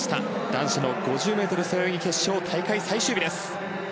男子の５０ｍ背泳ぎ決勝大会最終日です。